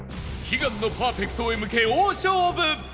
悲願のパーフェクトへ向け大勝負！